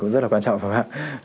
cũng rất là quan trọng phải không ạ